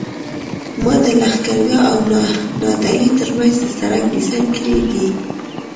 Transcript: ما د لښکرګاه او نادعلي ترمنځ د سرک ډیزاین کړی دی